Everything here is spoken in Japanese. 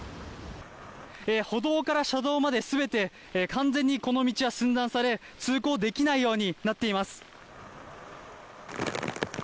歩道から車道まですべて完全にこの道は寸断され、通行できないようになっています。